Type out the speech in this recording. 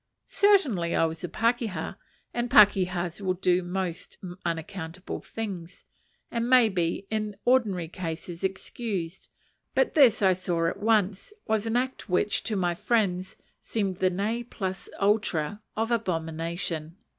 Certainly I was a pakeha, and pakehas will do most unaccountable things, and may be, in ordinary cases, excused; but this, I saw at once, was an act which, to my friends, seemed the ne plus ultra of abomination.